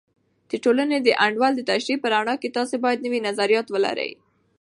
د ټولنې د انډول د تشریح په رڼا کې، تاسې باید نوي نظریات ولرئ.